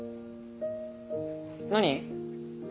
何？